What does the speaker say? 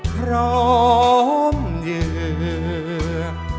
พร้อมเยือก